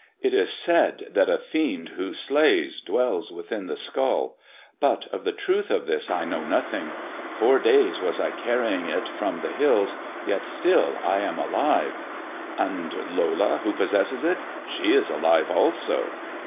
It is said that a fiend i slays dwells within the skull ; but of the truth of tJu know nothing. Four days was I carrying it from hills, yet still I am alive." " And Lola, who possesses it ; she is alive also."